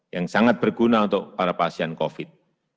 yang sangat berguna untuk para pasien covid sembilan belas